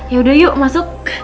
yaudah yuk masuk